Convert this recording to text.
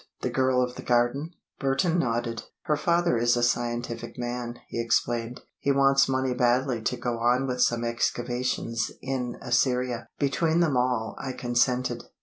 The girl of the garden?" Burton nodded. "Her father is a scientific man," he explained. "He wants money badly to go on with some excavations in Assyria. Between them all, I consented.